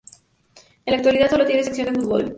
En la actualidad solo tiene sección de fútbol.